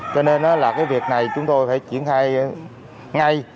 cho nên là cái việc này chúng tôi phải chuyển thay ngay